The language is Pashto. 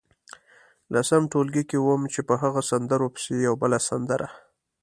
لسم ټولګي کې وم چې په هغو سندرو پسې یوه بله سندره.